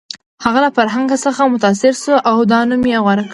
هغه له فرهنګ څخه متاثر شو او دا نوم یې غوره کړ